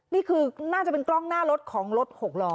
นี่คือน่าจะเป็นกล้องหน้ารถของรถหกล้อ